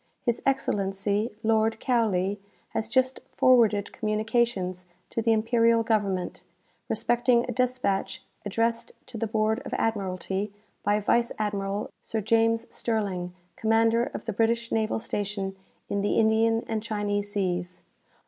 "His Excellency Lord Cowley has just forwarded communications to the imperial government, respecting a despatch addressed to the Board of Admiralty, by Vice Admiral Sir James Sterling, commander of the British naval station in the Indian and Chinese seas.